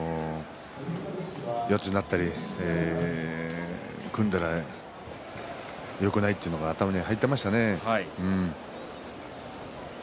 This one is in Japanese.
四つに組んだらよくないっていうのが頭に入っていましたね。